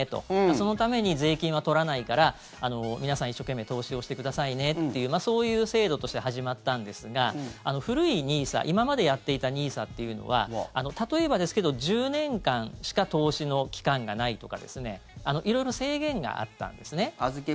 そのために、税金は取らないから皆さん、一生懸命投資をしてくださいねっていうそういう制度として始まったんですが古いＮＩＳＡ、今までやっていたＮＩＳＡっていうのは例えばですけど、１０年間しか投資の期間がないとか色々、制限があったんですね。